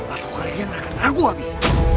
atau kalian akan naku habis